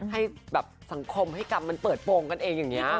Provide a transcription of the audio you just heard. ให้แบบสังคมให้กรรมมันเปิดโปรงกันเองอย่างนี้